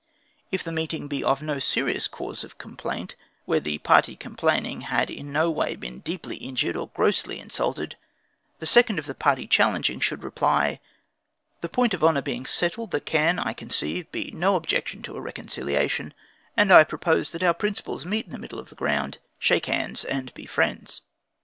If the meeting be of no serious cause of complaint, where the party complaining had in no way been deeply injured, or grossly insulted, the second of the party challenging should reply: "The point of honor being settled, there can, I conceive, be no objection to a reconciliation, and I propose that our principals meet on middle ground, shake hands, and be friends."